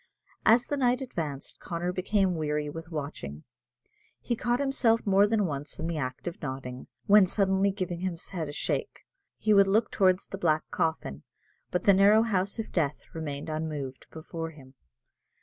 As the night advanced, Connor became weary with watching. He caught himself more than once in the act of nodding, when suddenly giving his head a shake, he would look towards the black coffin. But the narrow house of death remained unmoved before him.